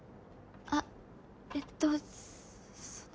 あっえっとその。